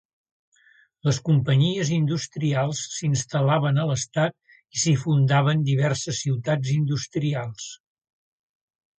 Les companyies industrials s'instal·laven a l'estat i s'hi fundaven diverses ciutats industrials.